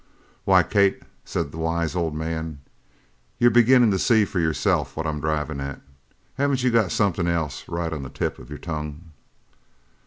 "Why, Kate," said the wise old man, "you're beginnin' to see for yourself what I'm drivin' at! Haven't you got somethin' else right on the tip of your tongue?"